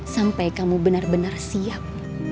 sampai kamu benar benar siap